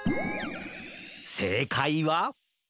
せいかいは？